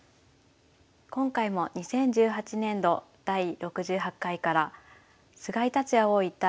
今回も２０１８年度第６８回から菅井竜也王位対